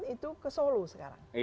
itu ke solo sekarang